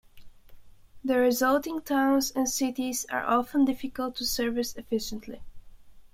The resulting towns and cities are often difficult to service efficiently.